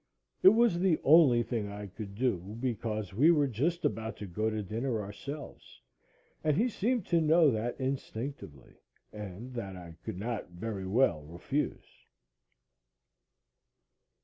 It was the only thing I could do, because we were just about to go to dinner ourselves, and he seemed to know that instinctively, and that I could not very well refuse.